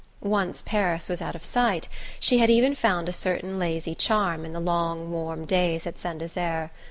Once Paris was out of sight, she had even found a certain lazy charm in the long warm days at Saint Desert.